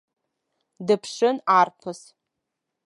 Дыԥшын арԥыс.